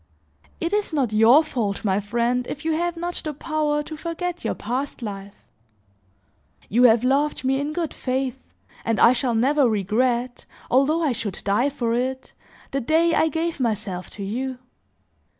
It is not your fault, my friend, if you have not the power to forget your past life; you have loved me in good faith and I shall never regret, although I should die for it, the day I gave myself to you.